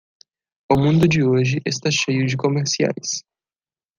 O mundo de hoje está cheio de comerciais.